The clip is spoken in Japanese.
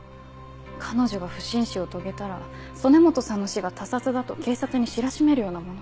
彼女が不審死を遂げたら曽根本さんの死が他殺だと警察に知らしめるようなもの。